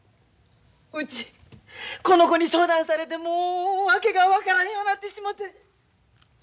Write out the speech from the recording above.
うちこの子に相談されてもう訳が分からんようになってしもて。